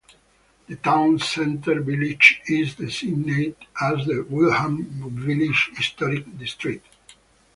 The town center village is designated as the Windham Village Historic District.